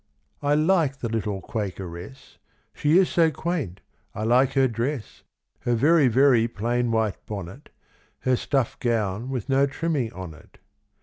I like the little Quakeress, She is so quaint; I like her dress, Her very, very plain white bonnet, Her stuff gown with no trimming on it.